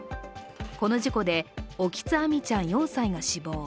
この事故で、沖津亜海ちゃん４歳が死亡。